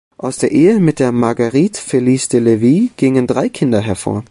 Aus der Ehe mit der Marguerite Felice de Levis gingen drei Kinder hervor.